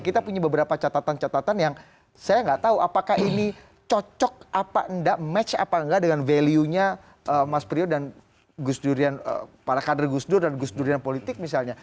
kita punya beberapa catatan catatan yang saya nggak tahu apakah ini cocok apa enggak match apa enggak dengan value nya mas prio dan para kader gus dur dan gus durian politik misalnya